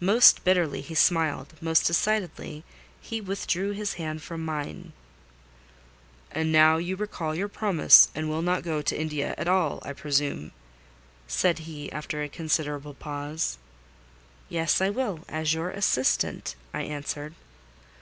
Most bitterly he smiled—most decidedly he withdrew his hand from mine. "And now you recall your promise, and will not go to India at all, I presume?" said he, after a considerable pause. "Yes, I will, as your assistant," I answered.